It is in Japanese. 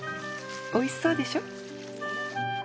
おいしそうでしょ。